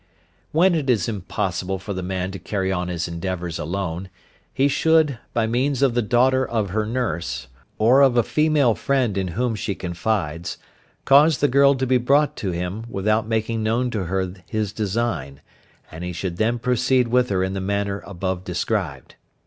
When it is impossible for the man to carry on his endeavours alone, he should, by means of the daughter of her nurse, or of a female friend in whom she confides, cause the girl to be brought to him without making known to her his design, and he should then proceed with her in the manner above described.